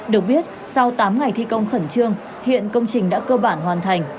được biết sau tám ngày thi công khẩn trương hiện công trình đã cơ bản hoàn thành